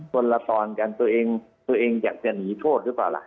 คนละตอนกันตัวเองตัวเองจะเหนียนโทษรึเปล่าล่ะ